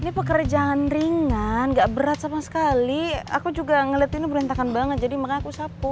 ini pekerjaan ringan gak berat sama sekali aku juga ngeliat ini berlentakan banget jadi makanya aku sapu